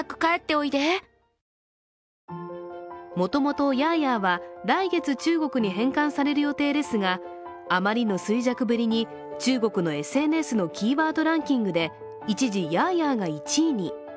もともとヤーヤーは来月中国に返還される予定ですが、あまりの衰弱ぶりに、中国のＳＮＳのキーワードランキングで一時、ヤーヤーが１位に。